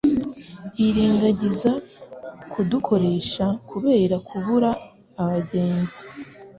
birengagiza kudukoresha kubera kubura abagenzi